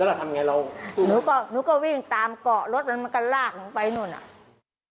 แล้วเราทำไงเราหนูก็หนูก็วิ่งตามเกาะรถแล้วมันก็ลากหนูไปนู่นอ่ะ